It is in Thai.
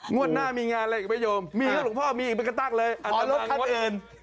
งวดหน้ามีงานอะไรอีกไปยม